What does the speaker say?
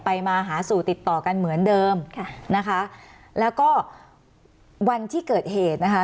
มาหาสู่ติดต่อกันเหมือนเดิมค่ะนะคะแล้วก็วันที่เกิดเหตุนะคะ